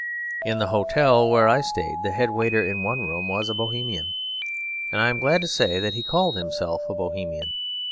In the hotel where I stayed the head waiter in one room was a Bohemian; and I am glad to say that he called himself a Bohemian.